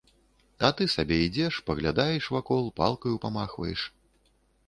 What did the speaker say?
А ты сабе ідзеш, паглядаеш вакол, палкаю памахваеш.